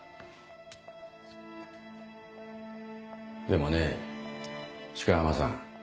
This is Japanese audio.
でもね鹿浜さん。